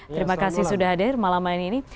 terima kasih sudah hadir malam hari ini